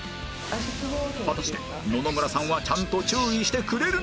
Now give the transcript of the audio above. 果たして野々村さんはちゃんと注意してくれるのか？